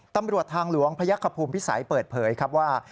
ตำรวจทางหลวงพคภูมิพิสัยเปิดเผยว่า